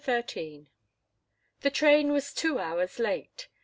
XIII The train was two hours late.